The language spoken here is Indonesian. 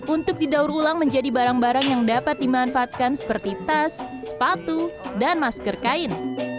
untuk didaur ulang menjadi barang barang yang dapat dimanfaatkan seperti tas sepatu dan masker kain